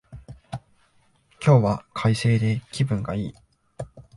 今日は快晴で気分がいい